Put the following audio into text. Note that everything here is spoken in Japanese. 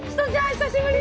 久しぶり！